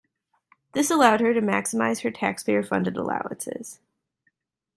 This allowed her to maximise her taxpayer-funded allowances.